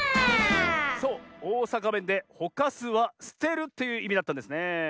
そうおおさかべんで「ほかす」は「すてる」といういみだったんですねえ。